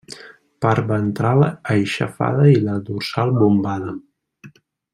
Part ventral aixafada i la dorsal bombada.